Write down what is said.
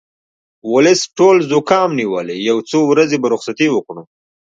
ولس ټول زوکام نیولی یو څو ورځې به رخصتي وکړو